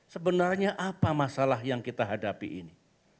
sebenarnya apa masalah yang kita hadapi ini